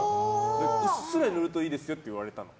うっすら塗るといいですよって言われたの。